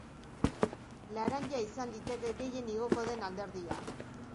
Laranja izan liteke gehien igoko den alderdia.